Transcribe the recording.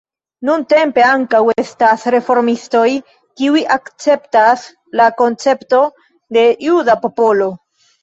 Nuntempe ankaŭ estas reformistoj kiuj akceptas la koncepton de "juda popolo".